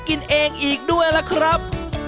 กินเองอีกด้วยล่ะครับ